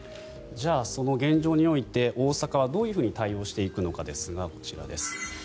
じゃあその現状において大阪はどういうふうに対応していくのかですがこちらです。